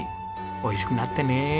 美味しくなってね。